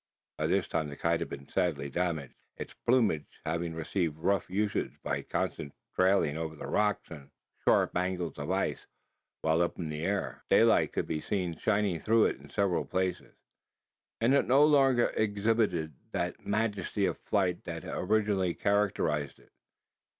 By this time the kite had become sadly damaged its plumage having received rough usage by constant trailing over the rocks and sharp angles of ice. While up in the air, daylight could be seen shining through it in several places; and it no longer exhibited that majesty of flight that had originally characterised it.